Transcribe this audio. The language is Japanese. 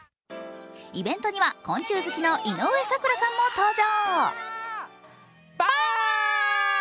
イベントには昆虫好きの井上咲楽さんも登場。